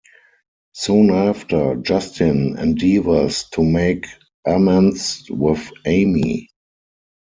Soon after, Justin endeavors to make amends with Amy.